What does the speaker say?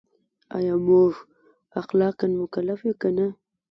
ایا موږ اخلاقاً مکلف یو که نه؟